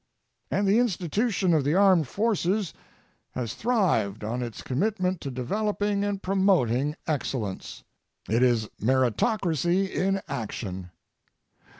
And the institution of the Armed Forces has thrived on its commitment to developing and promoting excellence. It is meritocracy in action.